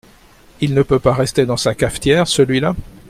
Il ne peut pas rester dans sa cafetière, celui-là !…